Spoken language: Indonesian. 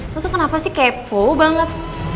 terus kenapa sih kepo banget